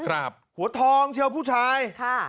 หัวทองเชียวผู้ชายค่ะ